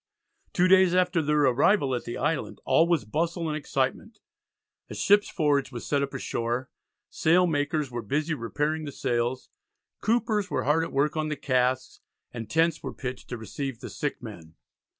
Two days after their arrival at the island all was bustle and excitement. A ship's forge was set up ashore; sail makers were busy repairing the sails; coopers were hard at work on the casks; and tents were pitched to receive the sick men.